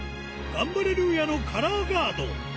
ガンバレルーヤのカラーガード